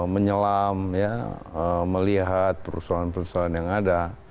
menyelam melihat persoalan persoalan yang ada